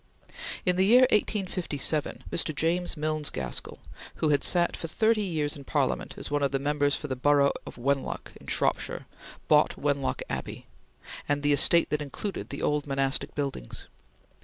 In the year 1857, Mr. James Milnes Gaskell, who had sat for thirty years in Parliament as one of the Members for the borough of Wenlock in Shropshire, bought Wenlock Abbey and the estate that included the old monastic buildings.